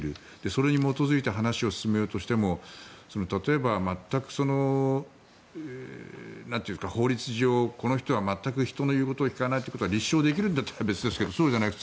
それに基づいて話を進めようとしても例えば、法律上この人は全く人の言うことを聞かないということが立証できるなら別ですがそうじゃない。